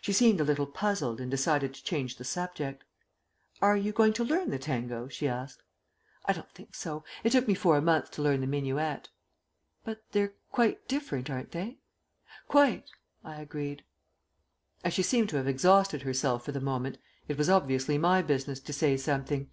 She seemed a little puzzled and decided to change the subject. "Are you going to learn the tango?" she asked. "I don't think so. It took me four months to learn the minuet." "But they're quite different, aren't they?" "Quite," I agreed. As she seemed to have exhausted herself for the moment, it was obviously my business to say something.